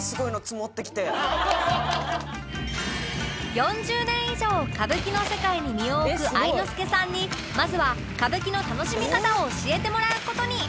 ４０年以上歌舞伎の世界に身を置く愛之助さんにまずは歌舞伎の楽しみ方を教えてもらう事に